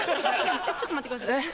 ちょっと待ってくださいえ？